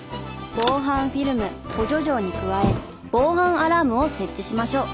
防犯フィルム補助錠に加え防犯アラームを設置しましょう。